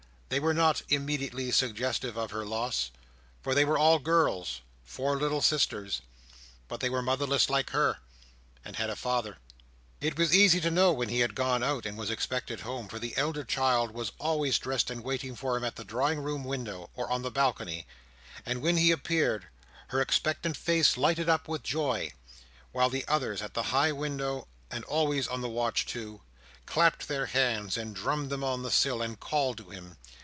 They were not immediately suggestive of her loss; for they were all girls: four little sisters. But they were motherless like her—and had a father. It was easy to know when he had gone out and was expected home, for the elder child was always dressed and waiting for him at the drawing room window, or on the balcony; and when he appeared, her expectant face lighted up with joy, while the others at the high window, and always on the watch too, clapped their hands, and drummed them on the sill, and called to him.